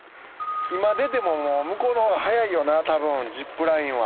今出ても向こうのほうが早いよなたぶんジップラインは。